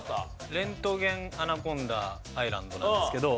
レントゲンアナコンダアイランドなんですけど。